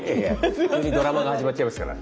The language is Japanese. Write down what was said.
普通にドラマが始まっちゃいますから。